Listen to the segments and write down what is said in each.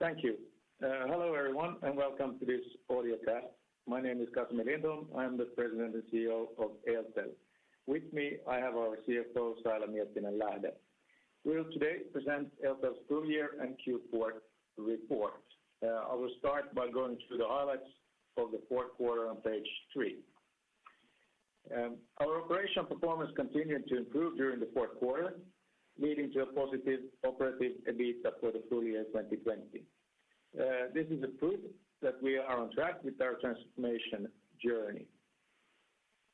Thank you. Hello everyone, and welcome to this podcast. My name is Casimir Lindholm. I am the president and CEO of Eltel. With me, I have our CFO, Saila Miettinen-Lähde. We'll today present Eltel's full year and Q4 report. I will start by going through the highlights of the fourth quarter on page three. Our operational performance continued to improve during the fourth quarter, leading to a positive operative EBITA for the full year 2020. This is a proof that we are on track with our transformation journey.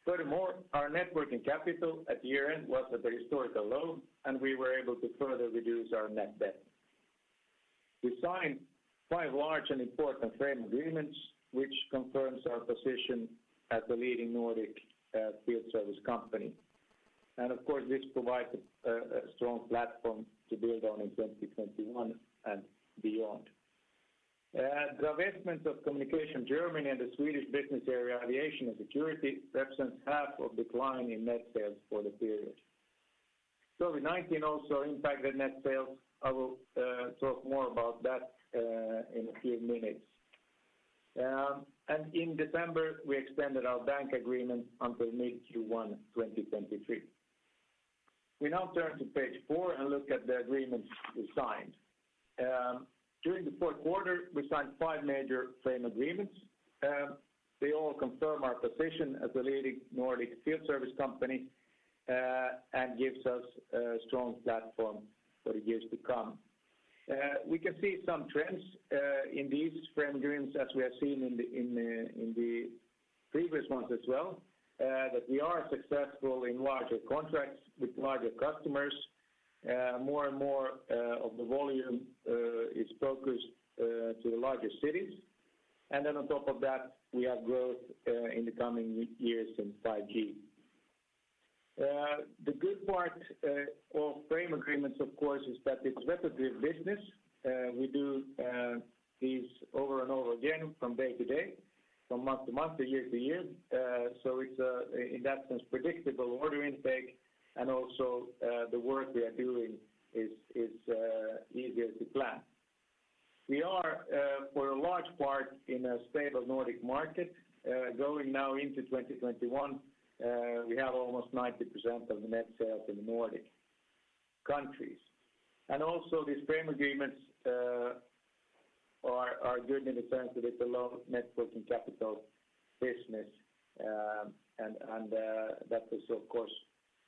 Furthermore, our net working capital at year-end was at the historical low, and we were able to further reduce our net debt. We signed five large and important frame agreements, which confirms our position as the leading Nordic field service company. Of course, this provides a strong platform to build on in 2021 and beyond. Divestment of Communication Germany and the Swedish business area, Aviation & Security, represents half of decline in net sales for the period. COVID-19 also impacted net sales. I will talk more about that in a few minutes. In December, we extended our bank agreement until mid-Q1 2023. We now turn to page four and look at the agreements we signed. During the fourth quarter, we signed five major frame agreements. They all confirm our position as the leading Nordic field service company, and gives us a strong platform for the years to come. We can see some trends in these frame agreements as we have seen in the previous ones as well, that we are successful in larger contracts with larger customers. More and more of the volume is focused to the larger cities. On top of that, we have growth in the coming years in 5G. The good part of frame agreements, of course, is that it's repetitive business. We do these over and over again from day to day, from month to month, year to year. It's, in that sense, predictable order intake and also, the work we are doing is easier to plan. We are, for a large part, in a stable Nordic market. Going now into 2021, we have almost 90% of the net sales in the Nordic countries. Also, these frame agreements are good in the sense that it's a low net working capital business, and that is, of course,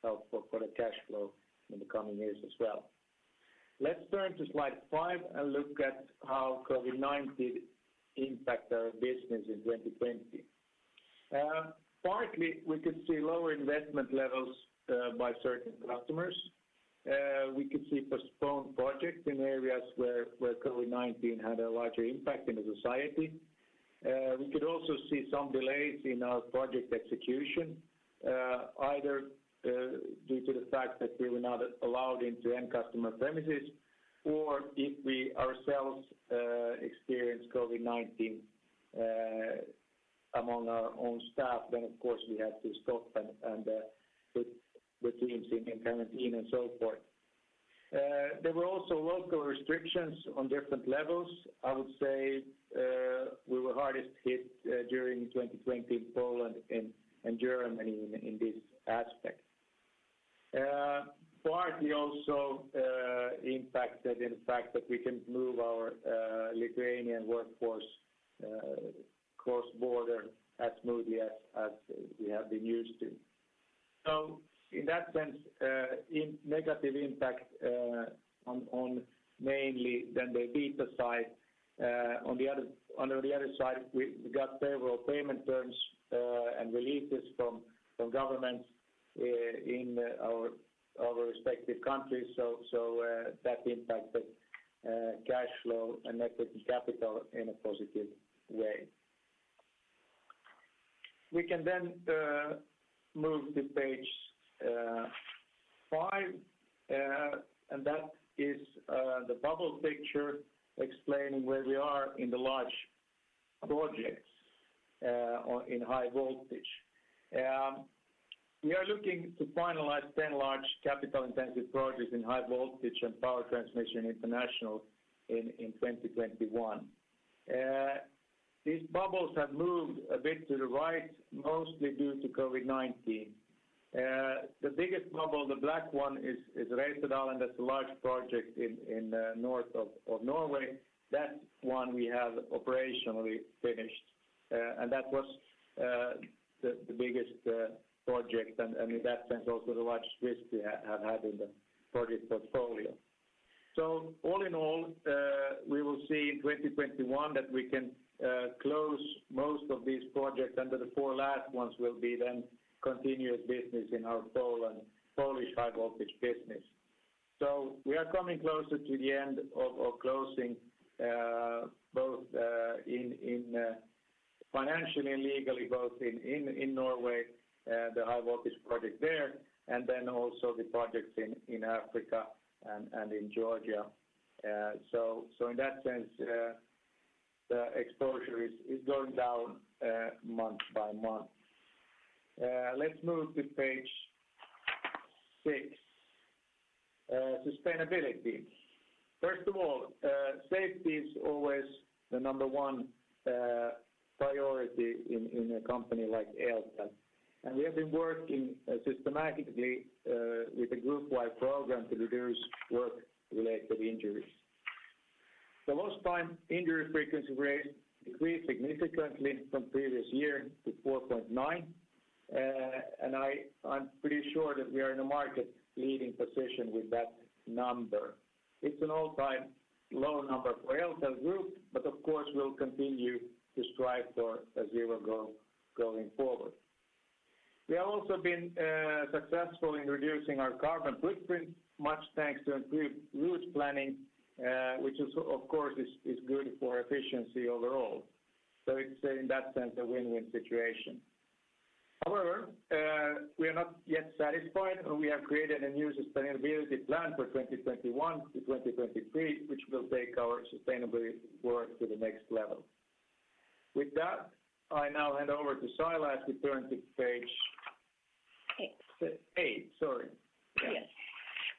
helpful for the cash flow in the coming years as well. Let's turn to slide five and look at how COVID-19 impact our business in 2020. Partly, we could see lower investment levels by certain customers. We could see postponed projects in areas where COVID-19 had a larger impact in the society. We could also see some delays in our project execution, either due to the fact that we were not allowed into end customer premises, or if we ourselves experienced COVID-19 among our own staff, then, of course, we had to stop and put the teams in quarantine and so forth. There were also local restrictions on different levels. I would say, we were hardest hit during 2020 in Poland and Germany in this aspect. Partly also impacted in the fact that we can't move our Lithuanian workforce cross-border as smoothly as we have been used to. In that sense, negative impact on mainly then the EBITDA side. On the other side, we got favorable payment terms and releases from governments in our respective countries. That impacted cash flow and net working capital in a positive way. We can move to page five, and that is the bubble picture explaining where we are in the large projects in High Voltage. We are looking to finalize 10 large capital-intensive projects in High Voltage and Power Transmission International in 2021. These bubbles have moved a bit to the right, mostly due to COVID-19. The biggest bubble, the black one, is Reiselandet. That's a large project in north of Norway. That one we have operationally finished. That was the biggest project and, in that sense, also the largest risk we have had in the project portfolio. All in all, we will see in 2021 that we can close most of these projects under the four last ones will be then continuous business in our Poland, Polish High Voltage business. We are coming closer to the end of closing both in financially, legally, both in Norway, the High Voltage project there, and then also the projects in Africa and in Georgia. In that sense, the exposure is going down month by month. Let's move to page six, sustainability. First of all, safety is always the number one priority in a company like Eltel, and we have been working systematically with a group-wide program to reduce work-related injuries. The lost time injury frequency rate decreased significantly from the previous year to 4.9, and I'm pretty sure that we are in a market-leading position with that number. It's an all-time low number for Eltel Group, but of course, we'll continue to strive for a zero goal going forward. We have also been successful in reducing our carbon footprint, much thanks to improved route planning, which of course, is good for efficiency overall. It's, in that sense, a win-win situation. However, we are not yet satisfied, and we have created a new Sustainability Plan for 2021 to 2023, which will take our sustainability work to the next level. With that, I now hand over to Saila as we turn to page- Eight. Eight, sorry. Yes.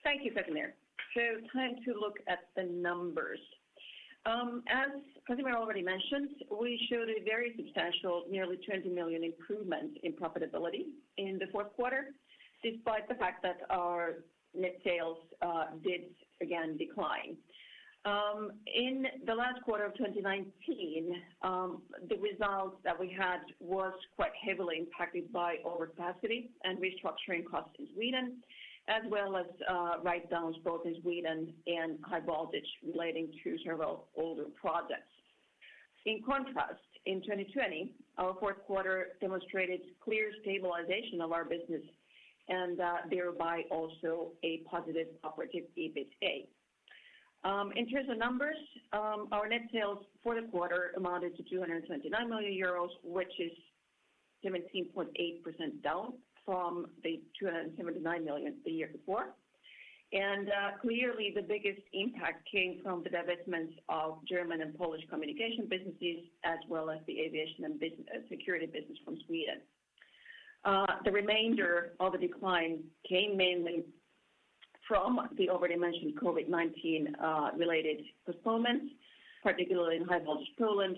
Thank you, Casimir. Time to look at the numbers. As Casimir already mentioned, we showed a very substantial, nearly 20 million improvement in profitability in the fourth quarter, despite the fact that our net sales did again decline. In the last quarter of 2019, the results that we had were quite heavily impacted by overcapacity and restructuring costs in Sweden, as well as write-downs both in Sweden and High Voltage relating to several older projects. In contrast, in 2020, our fourth quarter demonstrated clear stabilization of our business and thereby also a positive operative EBITA. In terms of numbers, our net sales for the quarter amounted to 279 million euros, which is 17.8% down from the 339 million the year before. Clearly the biggest impact came from the divestments of German and Polish communication businesses, as well as the Aviation & Security business from Sweden. The remainder of the decline came mainly from the already mentioned COVID-19-related postponements, particularly in High Voltage Poland,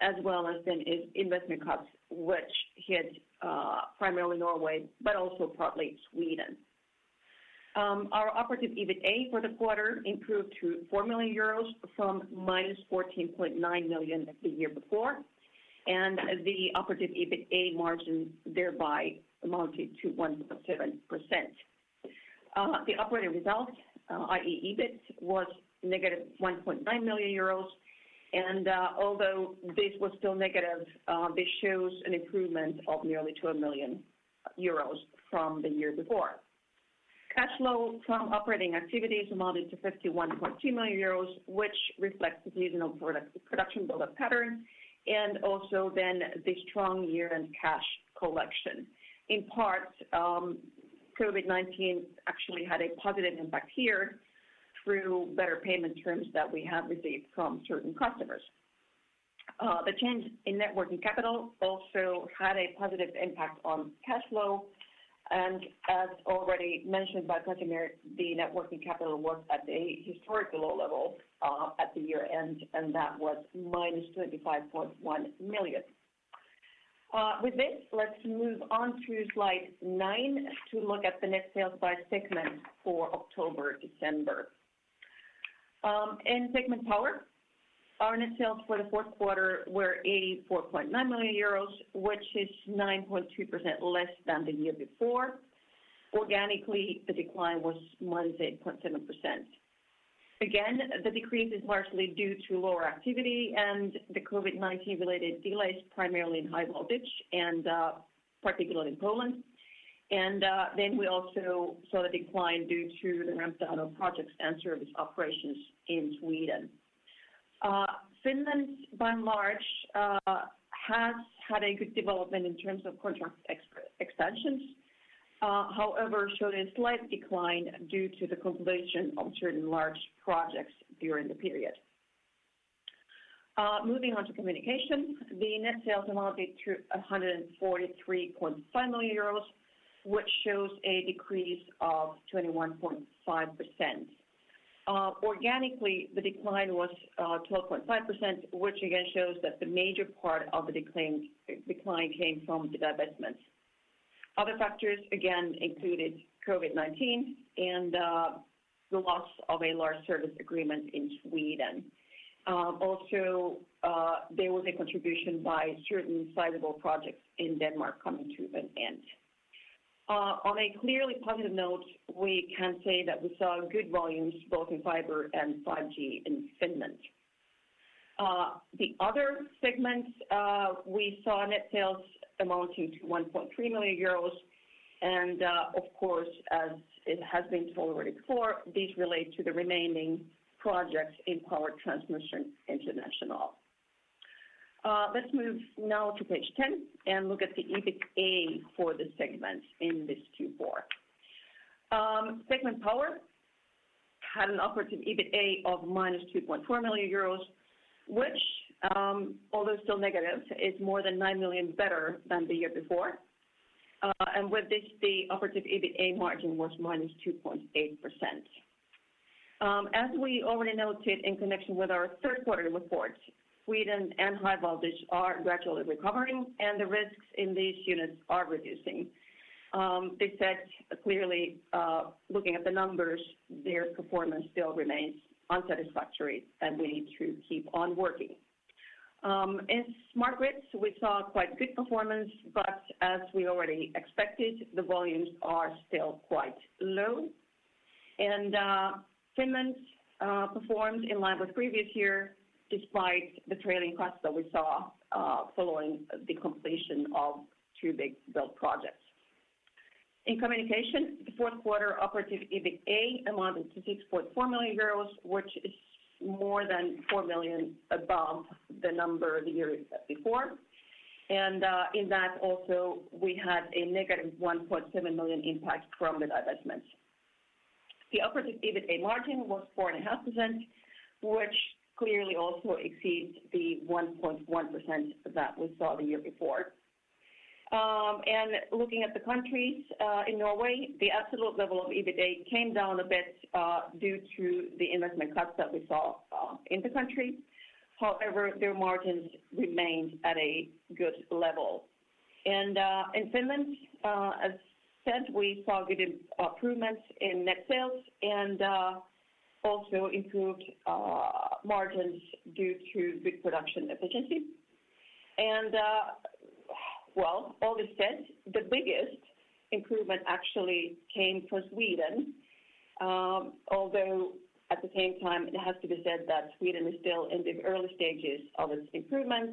as well as in investment cuts, which hit primarily Norway, but also partly Sweden. Our operative EBITA for the quarter improved to 4 million euros from -14.9 million the year before, and the operative EBITA margin thereby amounted to 1.7%. The operative result, i.e., EBIT, was -1.9 million euros, and although this was still negative, this shows an improvement of nearly 2 million euros from the year before. Cash flow from operating activities amounted to 51.2 million euros, which reflects the seasonal production build-up pattern, and also then the strong year-end cash collection. In part, COVID-19 actually had a positive impact here through better payment terms that we have received from certain customers. The change in net working capital also had a positive impact on cash flow, as already mentioned by Casimir, the net working capital was at a historical low level at the year-end, and that was -25.1 million. With this, let's move on to slide nine to look at the net sales by segment for October, December. In segment Power, our net sales for the fourth quarter were 84.9 million euros, which is 9.2% less than the year before. Organically, the decline was -8.7%. Again, the decrease is largely due to lower activity and the COVID-19-related delays, primarily in High Voltage and particularly in Poland. Then we also saw a decline due to the ramp-down of projects and service operations in Sweden. Finland, by and large, has had a good development in terms of contract extensions. However, showed a slight decline due to the completion of certain large projects during the period. Moving on to Communication, the net sales amounted to 143.5 million euros, which shows a decrease of 21.5%. Organically, the decline was 12.5%, which again shows that the major part of the decline came from the divestments. Other factors, again, included COVID-19 and the loss of a large service agreement in Sweden. Also, there was a contribution by certain sizable projects in Denmark coming to an end. On a clearly positive note, we can say that we saw good volumes both in fiber and 5G in Finland. The Other segments, we saw net sales amounting to 1.3 million euros, and of course, as it has been told already before, these relate to the remaining projects in Power Transmission International. Let's move now to page 10 and look at the EBITA for the segment in this Q4. Segment Power had an operative EBITA of -2.4 million euros, which, although still negative, is more than 9 million better than the year before. With this, the operative EBITA margin was -2.8%. As we already noted in connection with our third quarter report, Sweden and High Voltage are gradually recovering, and the risks in these units are reducing. This said clearly, looking at the numbers, their performance still remains unsatisfactory, and we need to keep on working. In Smart Grids, we saw quite good performance, but as we already expected, the volumes are still quite low. Finland performed in line with previous year, despite the trailing costs that we saw following the completion of two big build projects. In Communication, the fourth quarter operative EBITA amounted to 6.4 million euros, which is more than 4 million above the number the year before. In that also, we had a -1.7 million impact from the divestment. The operative EBITA margin was 4.5%, which clearly also exceeds the 1.1% that we saw the year before. Looking at the countries, in Norway, the absolute level of EBITA came down a bit due to the investment cuts that we saw in the country. However, their margins remained at a good level. In Finland, as said, we saw good improvements in net sales and also improved margins due to big production efficiency. Well, all this said, the biggest improvement actually came from Sweden, although at the same time it has to be said that Sweden is still in the early stages of its improvement,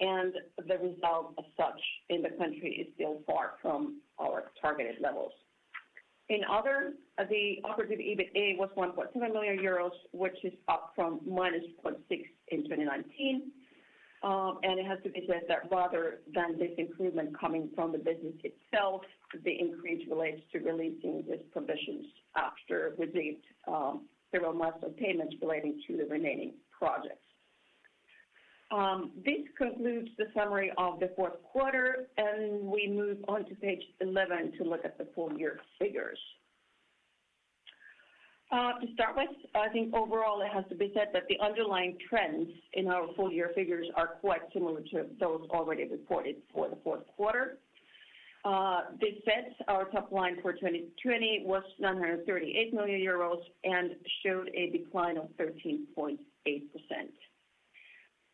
and the result as such in the country is still far from our targeted levels. In Other, the operative EBITA was 1.7 million euros, which is up from -0.6 in 2019. It has to be said that rather than this improvement coming from the business itself, the increase relates to releasing these provisions after received several months of payments relating to the remaining projects. This concludes the summary of the fourth quarter, and we move on to page 11 to look at the full-year figures. To start with, I think overall it has to be said that the underlying trends in our full-year figures are quite similar to those already reported for the fourth quarter. This said, our top line for 2020 was 938 million euros and showed a decline of 13.8%.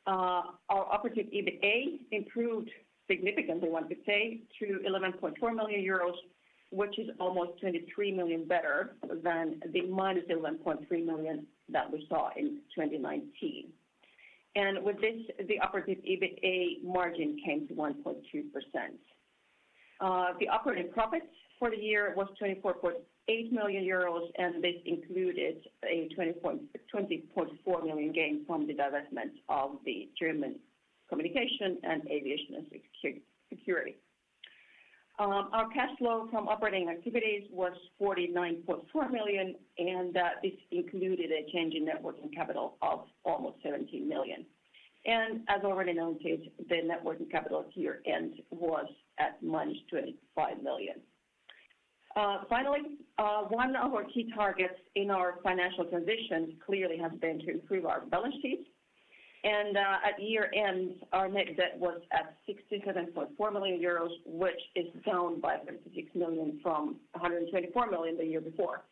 Our operative EBITA improved significantly, one could say, to 11.4 million euros, which is almost 23 million better than the -11.3 million that we saw in 2019. With this, the operative EBITA margin came to 1.2%. The operative profit for the year was 24.8 million euros, this included a 20.4 million gain from divestment of the German Communication and Aviation & Security. Our cash flow from operating activities was 49.4 million, this included a change in net working capital of almost 17 million. As already noted, the net working capital year-end was at -25 million. Finally, one of our key targets in our financial transition clearly has been to improve our balance sheet. At year-end, our net debt was at 67.4 million euros, which is down by 56 million from 124 million the year before.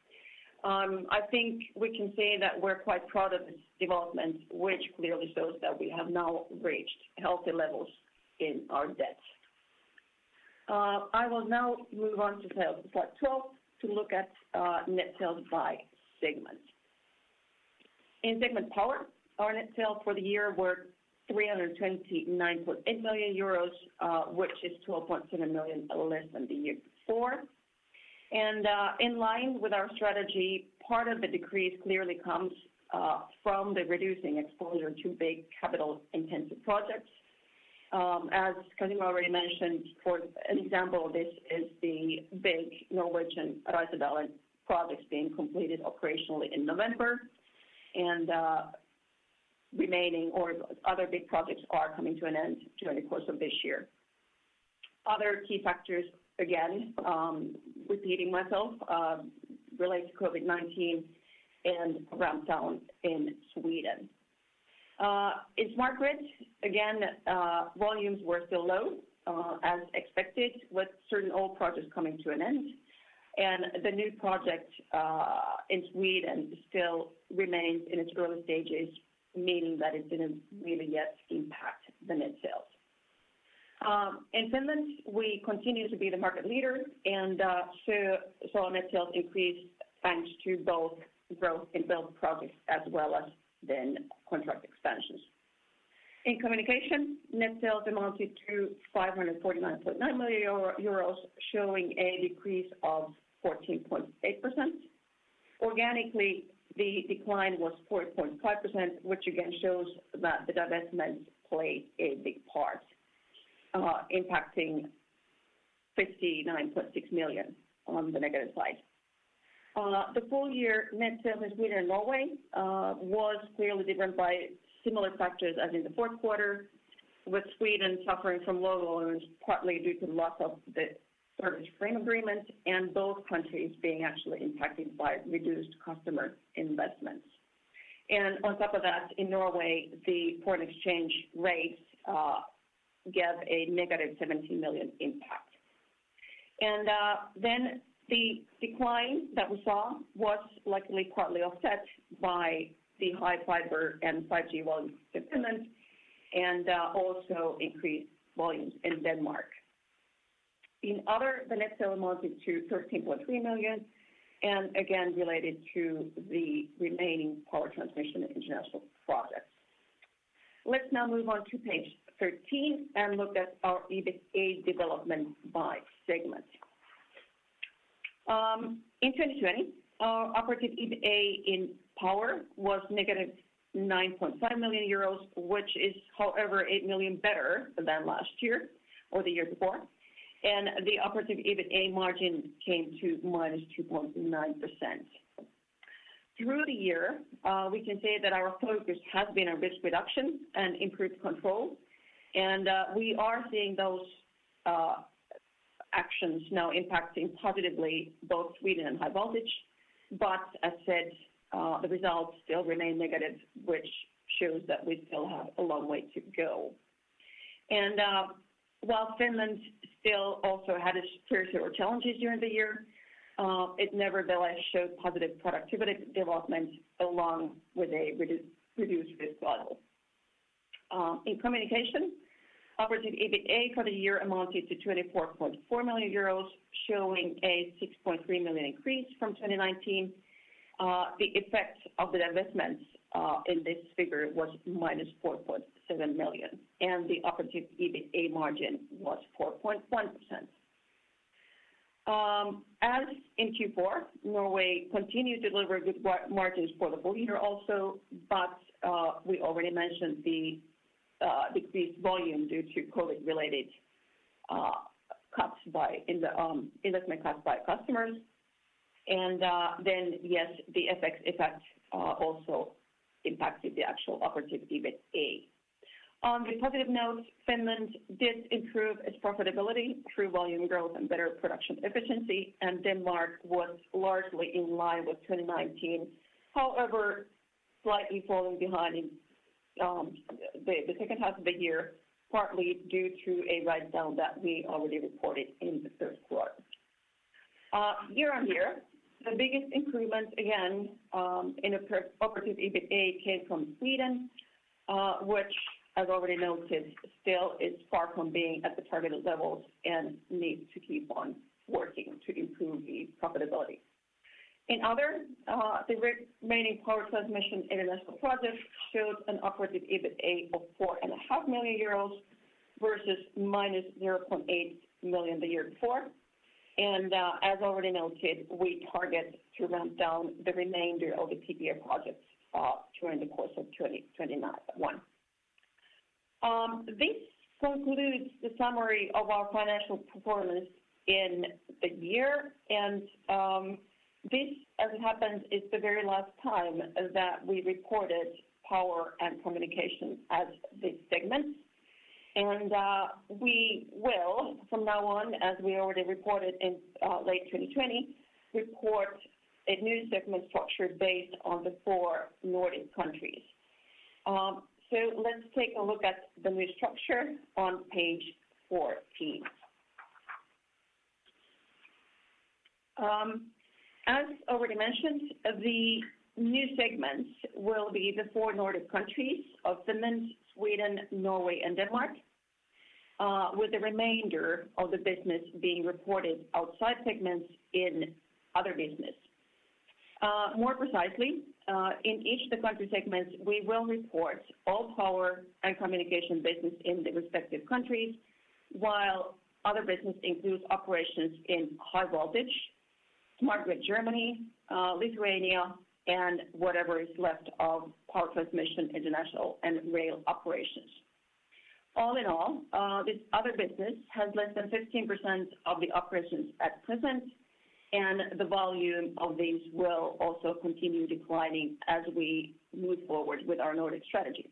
I think we can say that we're quite proud of this development, which clearly shows that we have now reached healthy levels in our debt. I will now move on to slide 12 to look at net sales by segment. In segment Power, our net sales for the year were 329.8 million euros, which is 12.7 million less than the year before. In line with our strategy, part of the decrease clearly comes from the reducing exposure to big capital-intensive projects. As Casimir already mentioned, for example, this is the big Norwegian Reiselandet projects being completed operationally in November and remaining or other big projects are coming to an end during the course of this year. Other key factors, again, repeating myself, relate to COVID-19 and ramp down in Sweden. In Smart Grids, again, volumes were still low, as expected, with certain old projects coming to an end. The new project in Sweden still remains in its early stages, meaning that it didn't really yet impact the net sales. In Finland, we continue to be the market leader, our net sales increased thanks to both growth in build projects as well as then contract expansions. In Communication, net sales amounted to 549.9 million euros, showing a decrease of 14.8%. Organically, the decline was 4.5%, which again shows that the divestment played a big part impacting 59.6 million on the negative side. The full year net sales in Sweden and Norway was clearly driven by similar factors as in the fourth quarter, with Sweden suffering from low volumes, partly due to loss of the service frame agreement, and both countries being actually impacted by reduced customer investments. On top of that, in Norway, the foreign exchange rates gave a -17 million impact. The decline that we saw was luckily partly offset by the high fiber and 5G volume deployment, and also increased volumes in Denmark. In other, the net sale amounted to 13.3 million, and again, related to the remaining Power Transmission International projects. Let's now move on to page 13 and look at our EBITA development by segment. In 2020, our operative EBITA in Power was -9.5 million euros, which is, however, 8 million better than last year or the year before. The operative EBITA margin came to -2.9%. Through the year, we can say that our focus has been on risk reduction and improved control, and we are seeing those actions now impacting positively both Sweden and high voltage. As said, the results still remain negative, which shows that we still have a long way to go. While Finland still also had its fair share of challenges during the year, it nevertheless showed positive productivity development along with a reduced risk level. In Communication, operative EBITA for the year amounted to 24.4 million euros, showing a 6.3 million increase from 2019. The effect of the divestments in this figure was -4.7 million, and the operative EBITA margin was 4.1%. As in Q4, Norway continued to deliver good margins for the full year also, but we already mentioned the decreased volume due to COVID-related investment cuts by customers. Yes, the FX effect also impacted the actual operative EBITA. On the positive note, Finland did improve its profitability through volume growth and better production efficiency, and Denmark was largely in line with 2019. Slightly falling behind in the second half of the year, partly due to a write-down that we already reported in the third quarter. Year-on-year, the biggest improvement, again, in operative EBITA came from Sweden, which, as already noted, still is far from being at the targeted levels and needs to keep on working to improve the profitability. In other, the remaining Power Transmission International projects showed an operative EBITA of 4.5 million euros versus -0.8 million the year before. As already noted, we target to ramp down the remainder of the PTI projects during the course of 2021. This concludes the summary of our financial performance in the year, and this, as it happens, is the very last time that we reported Power and Communication as the segments. We will from now on, as we already reported in late 2020, report a new segment structure based on the four Nordic countries. Let's take a look at the new structure on page 14. As already mentioned, the new segments will be the four Nordic countries of Finland, Sweden, Norway, and Denmark, with the remainder of the business being reported outside segments in other business. More precisely, in each of the country segments, we will report all Power and Communication business in the respective countries, while other business includes operations in High Voltage, Smart Grids Germany, Lithuania, and whatever is left of Power Transmission International and rail operations. All in all, this other business has less than 15% of the operations at present, and the volume of these will also continue declining as we move forward with our Nordic strategy.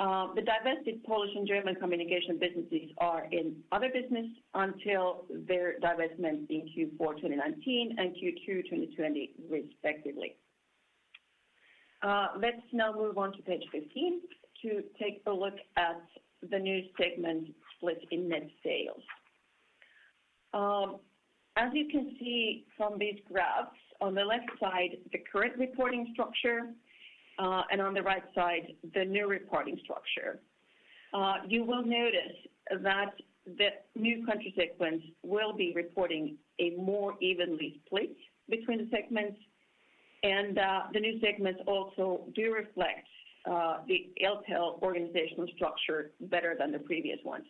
The divested Polish and German Communication businesses are in other business until their divestment in Q4 2019 and Q2 2020 respectively. Let's now move on to page 15 to take a look at the new segment split in net sales. As you can see from these graphs, on the left side, the current reporting structure, and on the right side, the new reporting structure. You will notice that the new country segments will be reporting a more evenly split between the segments. The new segments also do reflect the Eltel organizational structure better than the previous ones.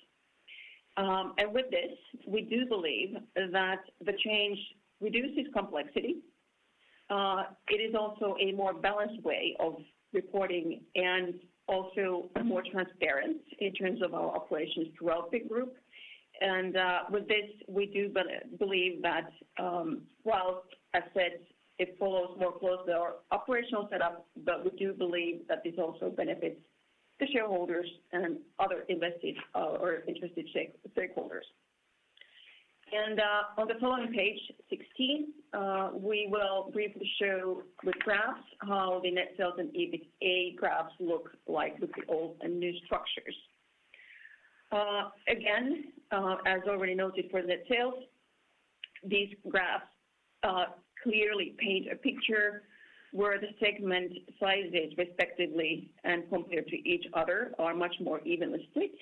With this, we do believe that the change reduces complexity. It is also a more balanced way of reporting and also more transparent in terms of our operations throughout the group. With this, we do believe that while, as said, it follows more closely our operational setup, but we do believe that this also benefits the shareholders and other investors or interested stakeholders. On the following page 16, we will briefly show with graphs how the net sales and EBITA graphs look like with the old and new structures. Again, as already noted for the sales, these graphs clearly paint a picture where the segment sizes respectively and compared to each other are much more evenly split.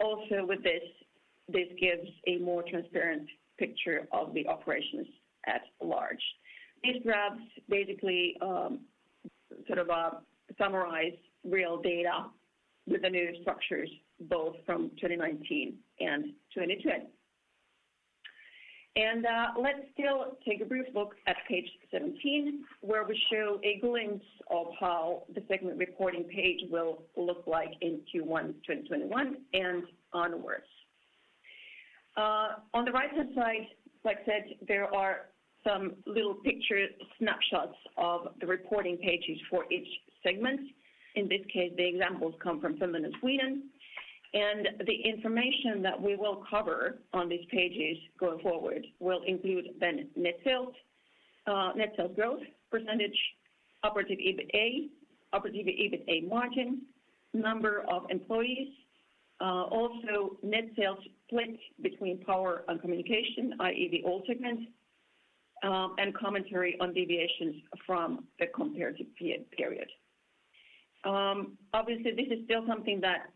Also with this gives a more transparent picture of the operations at large. These graphs basically sort of summarize real data with the new structures, both from 2019 and 2020. Let's still take a brief look at page 17, where we show a glimpse of how the segment reporting page will look like in Q1 2021 and onwards. On the right-hand side, like I said, there are some little picture snapshots of the reporting pages for each segment. In this case, the examples come from Finland and Sweden. The information that we will cover on these pages going forward will include then net sales, net sales growth percentage, operative EBITA, operative EBITA margin, number of employees, also net sales split between Power and Communication, i.e. the old segment, and commentary on deviations from the comparative period. Obviously, this is still something that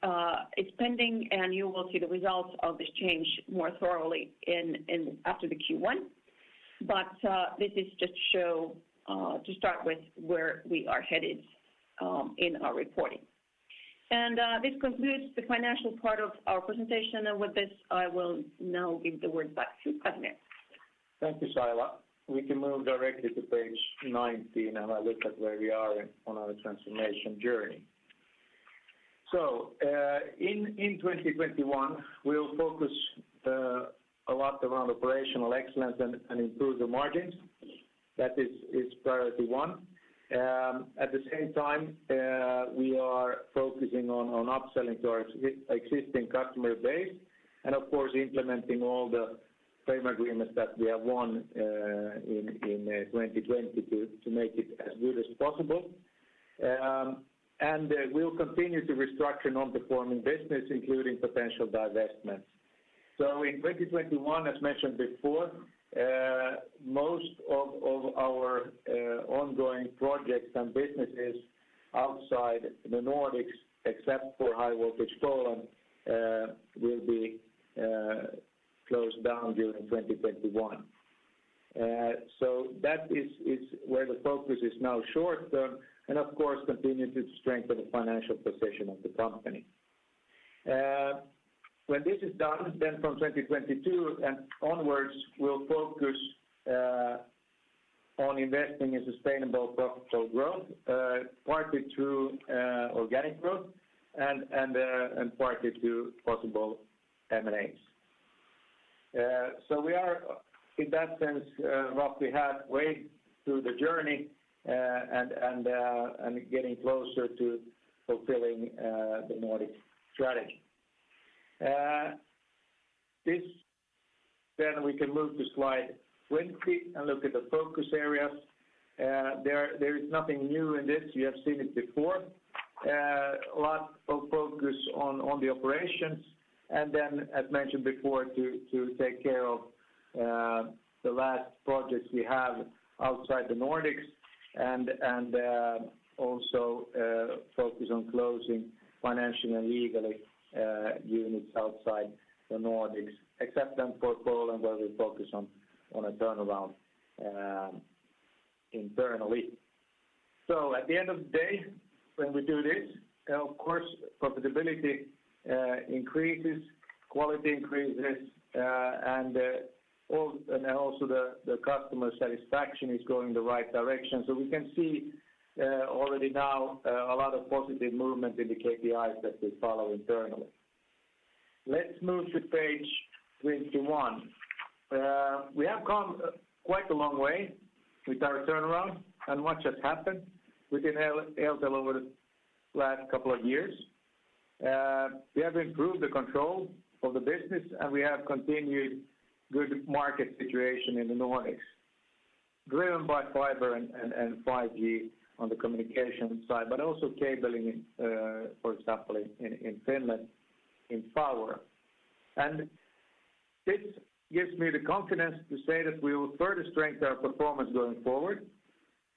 is pending. You will see the results of this change more thoroughly after the Q1. This is just to start with where we are headed in our reporting. This concludes the financial part of our presentation. With this, I will now give the word back to Casimir. Thank you, Saila. We can move directly to page 19 and have a look at where we are on our transformation journey. In 2021, we'll focus a lot around operational excellence and improve the margins. That is priority one. At the same time, we are focusing on upselling to our existing customer base and, of course, implementing all the frame agreements that we have won in 2020 to make it as good as possible. We'll continue to restructure non-performing businesses, including potential divestments. In 2021, as mentioned before, most of our ongoing projects and businesses outside the Nordics, except for High Voltage Poland, will be closed down during 2021. That is where the focus is now short term and, of course, continue to strengthen the financial position of the company. When this is done, from 2022 and onwards, we'll focus on investing in sustainable, profitable growth, partly through organic growth and partly through possible M&As. We are, in that sense, roughly halfway through the journey and getting closer to fulfilling the Nordic strategy. We can move to slide 20 and look at the focus areas. There is nothing new in this. You have seen it before. A lot of focus on the operations, and then, as mentioned before, to take care of the last projects we have outside the Nordics and also focus on closing financially and legally units outside the Nordics, except then for Poland, where we focus on a turnaround internally. At the end of the day, when we do this, of course, profitability increases, quality increases, and also the customer satisfaction is going the right direction. We can see already now a lot of positive movement in the KPIs that we follow internally. Let's move to page 21. We have come quite a long way with our turnaround and what has happened within Eltel over the last couple of years. We have improved the control of the business, and we have continued good market situation in the Nordics, driven by fiber and 5G on the Communication side, but also cabling, for example, in Finland in Power. This gives me the confidence to say that we will further strengthen our performance going forward.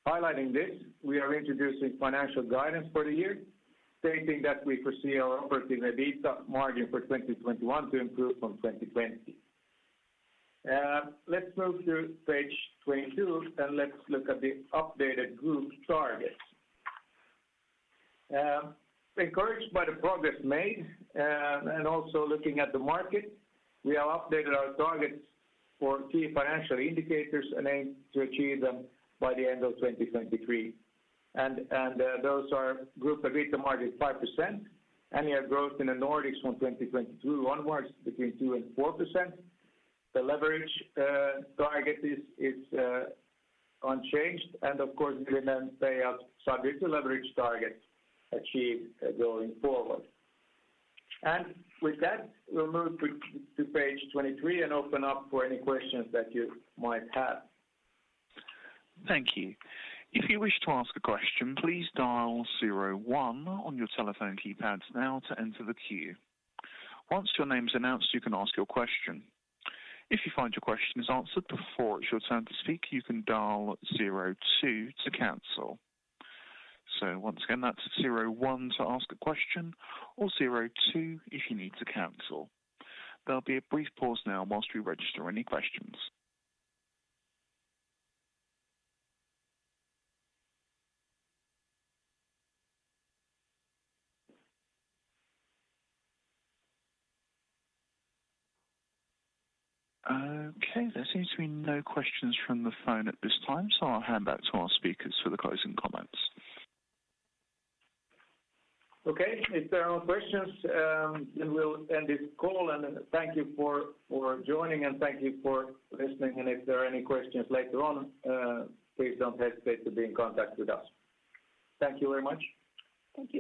Highlighting this, we are introducing financial guidance for the year, stating that we foresee our operative EBITDA margin for 2021 to improve on 2020. Let's move to page 22, and let's look at the updated group targets. Encouraged by the progress made, also looking at the market, we have updated our targets for key financial indicators and aim to achieve them by the end of 2023. Those are Group EBITDA margin 5%, annual growth in the Nordics from 2022 onwards between 2% and 4%. The leverage target is unchanged, of course, dividend payout subject to leverage target achieved going forward. With that, we will move to page 23 and open up for any questions that you might have. Thank you. If you wish to ask a question, please dial zero one on your telephone keypads now to enter the queue. Once your name is announced, you can ask your question. If you find your question is answered before it's your turn to speak, you can dial zero two to cancel. Once again, that's zero one to ask a question or zero two if you need to cancel. There'll be a brief pause now while we register any questions. Okay, there seems to be no questions from the phone at this time, so I'll hand back to our speakers for the closing comments. Okay. If there are no questions, we will end this call and thank you for joining, and thank you for listening. If there are any questions later on, please don't hesitate to be in contact with us. Thank you very much. Thank you.